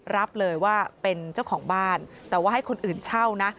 รับเลยว่าเป็นเจ้าของบ้านแต่ว่าให้คนอื่นเช่านะ